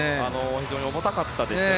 非常に重たかったですよね。